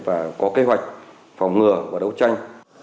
và có kế hoạch phòng ngừa và đấu tranh